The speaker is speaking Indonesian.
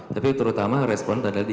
tapi terutama respon tadi